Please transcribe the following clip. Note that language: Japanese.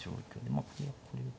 まあこれはこれで。